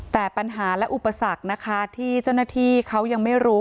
แต่ปัญหาและอุปสรรคนะคะที่เจ้าหน้าที่เขายังไม่รู้